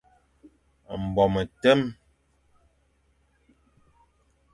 Mbo metem,